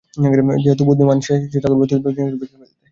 যেহেতু বুদ্ধিমান সে, চেষ্টা করবে অতি দ্রুত জিনিসগুলি বিক্রি করে দিতে।